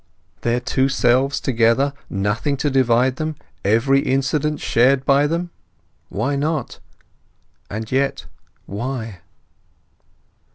Their two selves together, nothing to divide them, every incident shared by them; why not? And yet why?